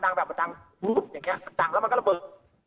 อย่างเงี้ยดังแล้วมันก็ระเบิด